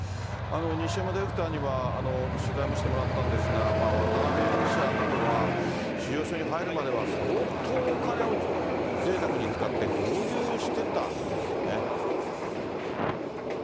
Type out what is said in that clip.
西山ディレクターには、取材もしてもらったんですが、渡辺容疑者などは収容所に入るまでは、相当お金をぜいたくに使って、豪遊してたんですね。